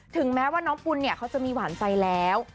ถึงแม้ว่าน้องปุ่นเนี่ยเขาจะมีหวานใจแล้ว